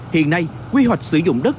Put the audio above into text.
hiện nay quy hoạch sử dụng đất